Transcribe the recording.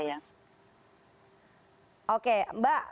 kita akan lakukan edukasi di surabaya